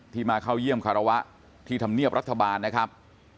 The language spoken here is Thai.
มาเข้าเยี่ยมคารวะที่ธรรมเนียบรัฐบาลนะครับ